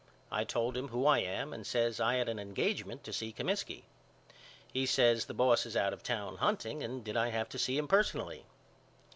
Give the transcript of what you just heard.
I told him who I am and says I had an engagement to see Comiskey. He says The boss is out of town hunting and did I have to see him personally?